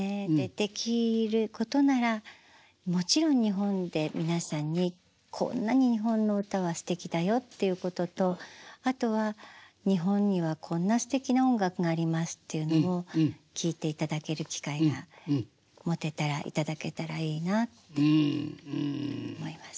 できることならもちろん日本で皆さんにこんなに日本の歌はすてきだよっていうこととあとは日本にはこんなすてきな音楽がありますっていうのを聴いていただける機会が持てたら頂けたらいいなって思います。